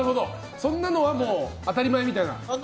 そんなのは当たり前みたいな。